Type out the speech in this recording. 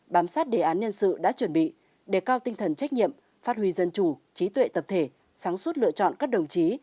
bám sát đề án nhân sự đã chuẩn bị đề cao tinh thần trách nhiệm phát huy dân chủ trí tuệ tập thể sáng suốt lựa chọn các đồng chí